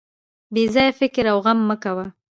بې ځایه فکر او غم مه کوه.